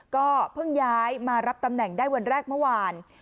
ก็เพิ่งย้ายมารับตำแหน่งได้วันแรกเมื่อวาน